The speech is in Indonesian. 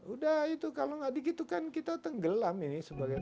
udah itu kalau enggak dikitukan kita tenggelam ini sebagainya